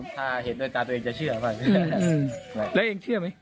ถ้าเห็นด้วยตาตัวเองจะเชื่อแล้วเองเชื่อมั้ย